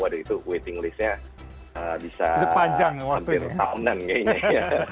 wadah itu waiting list nya bisa hampir tahunan kayaknya